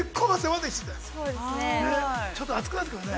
◆ちょっと暑くなってくるね。